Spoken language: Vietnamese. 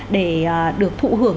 để được thụ hưởng